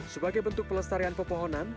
sebagai bentuk pelestarian pepohonan